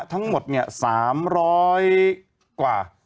ทั้งหมดเนี่ย๓๐๐กว่า